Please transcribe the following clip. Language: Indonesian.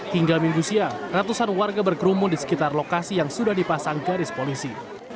hingga minggu siang ratusan warga berkerumun di sekitar lokasi yang sudah dipasang garis polisi